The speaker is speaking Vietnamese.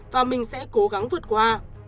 và mình sẽ cố gắng vượt qua